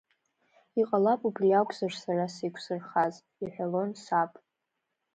Иҟалап убри акәзар сара сеиқәзырхаз, иҳәалон саб.